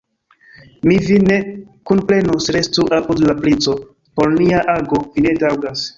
Mi vin ne kunprenos, restu apud la princo, por nia ago vi ne taŭgas.